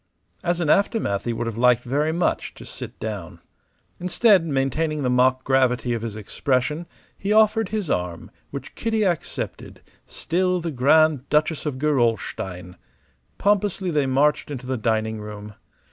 As an aftermath he would have liked very much to sit down. Instead, maintaining the mock gravity of his expression, he offered his arm, which Kitty accepted, still the Grand Duchess of Gerolstein. Pompously they marched into the dining room.